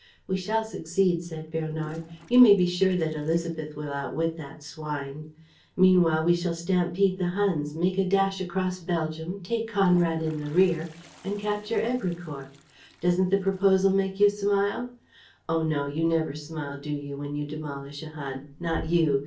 "We shall succeed," said Bernard. "You may be sure that Élisabeth will outwit that swine. Meanwhile, we shall stampede the Huns, make a dash across Belgium, take Conrad in the rear and capture Èbrecourt. Doesn't the proposal make you smile? Oh, no, you never smile, do you, when you demolish a Hun? Not you!